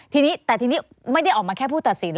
ทีนี้แต่ทีนี้ไม่ได้ออกมาแค่ผู้ตัดสิน